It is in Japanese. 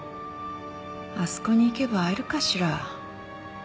あそこに行けば会えるかしら？